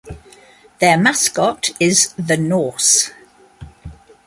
Their mascot is The Norse.